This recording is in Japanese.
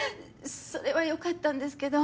それはよかったんですけど。